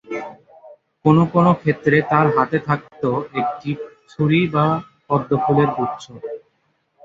কোনও কোনও ক্ষেত্রে তাঁর হাতে থাকত একটি ছুরি বা পদ্ম ফুলের গুচ্ছ।